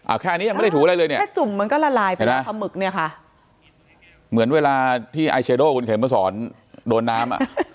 เอาแค่นี้ยังไม่ได้ถูอะไรเลยเนี่ยแค่จุ่มมันก็ละลายไปแล้วปลาหมึกเนี่ยค่ะเหมือนเวลาที่ไอเชโดคุณเข็มมาสอนโดนน้ำอ่ะ